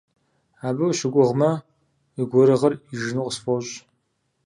Абы ущыгугъмэ, уи гурыгъыр ижыну къысфӀощӀ.